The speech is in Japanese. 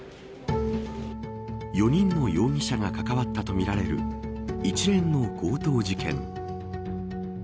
４人の容疑者が関わったとみられる一連の強盗事件。